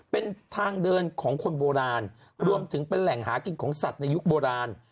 เป็นทางเดินของคนโบราณรวมถึงเป็นแหล่งหากินของสัตว์ในยุคโบราณ